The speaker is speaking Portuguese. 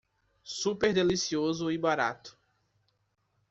Super delicioso e barato